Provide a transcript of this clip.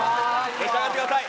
召し上がってください！